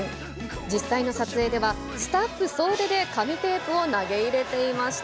実際の撮影では、スタッフ総出で紙テープを投げ入れていました。